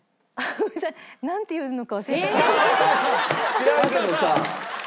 知らんけどさ。